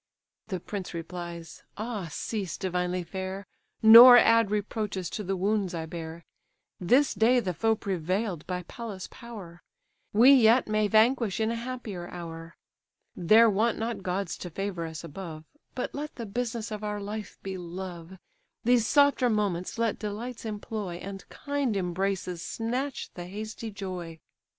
The prince replies: "Ah cease, divinely fair, Nor add reproaches to the wounds I bear; This day the foe prevail'd by Pallas' power: We yet may vanquish in a happier hour: There want not gods to favour us above; But let the business of our life be love: These softer moments let delights employ, And kind embraces snatch the hasty joy.